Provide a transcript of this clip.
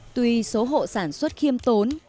tuy số hộ sản xuất khiêm tốn